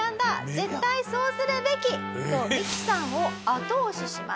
絶対そうするべき！」とミキさんを後押しします。